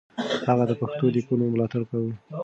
هغه د پښتو ليکنو ملاتړ کاوه.